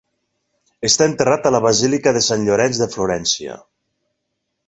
Està enterrat a la Basílica de Sant Llorenç de Florència.